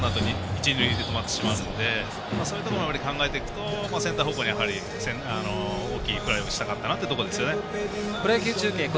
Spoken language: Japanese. レフトに打てば止まってしまうのでそういうところまで考えていくとセンター方向に、大きいフライを打ちたかったところですね。